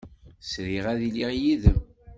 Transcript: Sriɣ ad iliɣ yid-m.